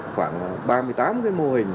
khoảng ba mươi tám cái mô hình